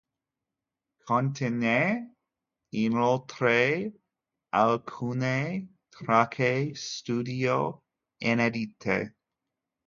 Contiene inoltre alcune tracce studio inedite.